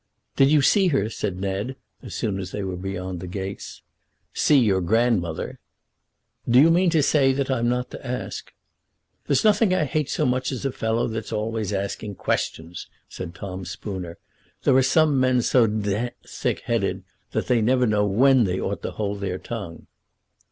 "Did you see her?" said Ned, as soon as they were beyond the gates. "See your grandmother." "Do you mean to say that I'm not to ask?" "There's nothing I hate so much as a fellow that's always asking questions," said Tom Spooner. "There are some men so d d thick headed that they never know when they ought to hold their tongue."